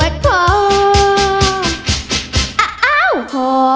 ชัก